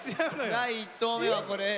第１投目はこれ。